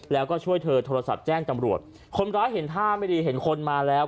แล้วก็ช่วยเธอโทรศัพท์แจ้งตำรวจคนร้ายเห็นท่าไม่ดีเห็นคนมาแล้ว